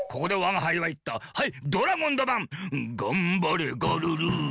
『がんばれガルル』。